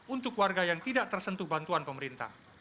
untuk warga yang tidak tersentuh bantuan pemerintah